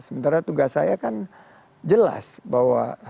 sementara tugas saya kan jelas bahwa